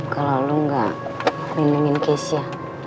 kalau lo gak lindungin kezia